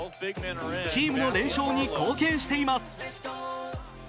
チームの連勝に貢献しています。